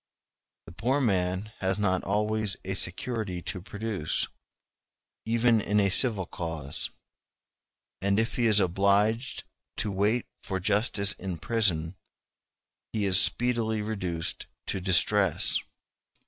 The poor man has not always a security to produce, even in a civil cause; and if he is obliged to wait for justice in prison, he is speedily reduced to distress.